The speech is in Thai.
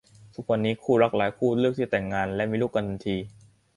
ทุกวันนี้มีคู่รักหลายคู่ที่เลือกแต่งงานและมีลูกกันทันที